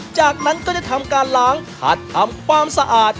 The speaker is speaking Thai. จากนั้นก็จะทำการล้างผัดทำความสะอาด